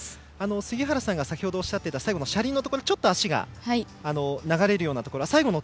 杉原さんが先程おっしゃっていた最後の車輪のところでちょっと足が流れるところ。